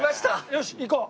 よし行こう！